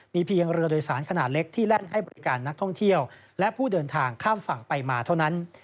มีเพียงเรือโดยสารขนาดเล็กที่แล่นให้บริการนักท่องเที่ยวและผู้เดินทางข้ามฝั่งไปมาเท่านั้น